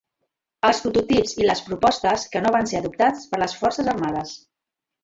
Els prototips i les propostes que no van ser adoptats per les forces armades.